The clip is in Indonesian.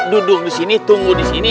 duduk di sini tunggu di sini